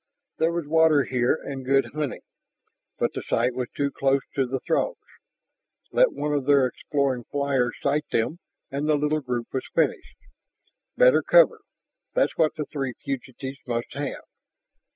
There was water here, and good hunting. But the site was too close to the Throgs. Let one of their exploring flyers sight them, and the little group was finished. Better cover, that's what the three fugitives must have.